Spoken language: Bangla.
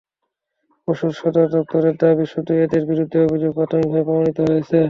পুলিশ সদর দপ্তরের দাবি, শুধু এঁদের বিরুদ্ধে অভিযোগ প্রাথমিকভাবে প্রমাণিত হয়েছে।